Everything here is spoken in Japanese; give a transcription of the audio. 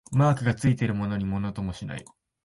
マークがついてるのにものともしない